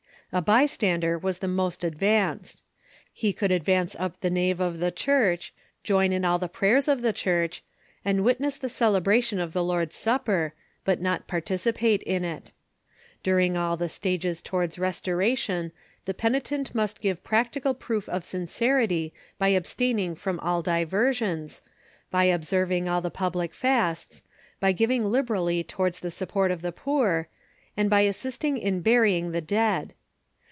A bystander was the most advanced. He could advance np the nave of the church, join in all the prayers of the Church, and witness the celebration of the Lord's Supper, but not participate in it. During all the stages towards restoration, the penitent must give prac tical proof of sincerity by abstaining from all diversions, by observing all the public fasts, by giving liberally towards the support of the poor, and by assisting in burying the dead.